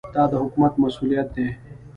دا د حکومت مسوولیت دی.